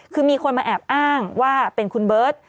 คือมีคนมาแอบอ้างว่าเป็นคุณเบิร์ต